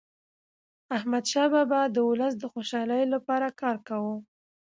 احمدشاه بابا د ولس د خوشحالیلپاره کار کاوه.